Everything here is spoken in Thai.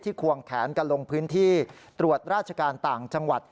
ควงแขนกันลงพื้นที่ตรวจราชการต่างจังหวัด